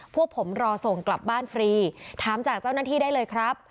พวกผมรอส่งกลับบ้านฟรีถามจากเจ้าหน้าที่ได้เลยครับ